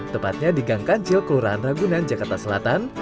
tepatnya di gang kancil kelurahan ragunan jakarta selatan